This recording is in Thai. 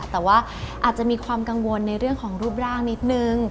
แต่ว่าอาจจะมีความกังวลในเรื่องของรูปร่างนิดนึง